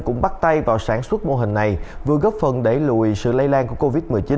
cũng bắt tay vào sản xuất mô hình này vừa góp phần đẩy lùi sự lây lan của covid một mươi chín